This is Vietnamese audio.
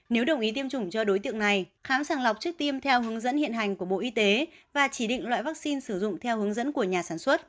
nếu đồng ý tiêm chủng cho đối tượng này khám sàng lọc trước tiêm theo hướng dẫn hiện hành của bộ y tế và chỉ định loại vaccine sử dụng theo hướng dẫn của nhà sản xuất